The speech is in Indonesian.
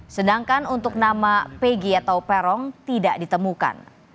sedangkan untuk nama pegi atau perong tidak ditemukan